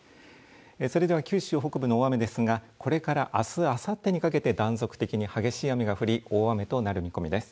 それでは九州北部の大雨ですがこれからあすあさってにかけて断続的に激しい雨が降り大雨となる見込みです。